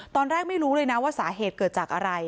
ตอนแรกไม่รู้เลยนะว่าสาเหตุเกิดจากอะไร